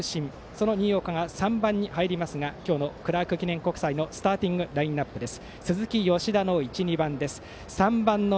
その新岡が３番に入るのが今日のクラーク記念国際のスターティングラインナップです。